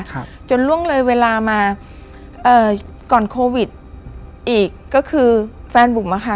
ครับจนล่วงเลยเวลามาเอ่อก่อนโควิดอีกก็คือแฟนบุ๋มอะค่ะ